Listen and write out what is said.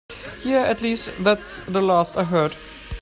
Yeah, at least that's the last I heard.